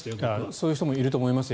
そういう人もいると思います。